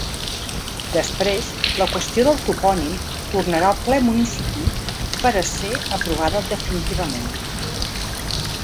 Després la qüestió del topònim tornarà al ple municipi per a ser aprovada definitivament.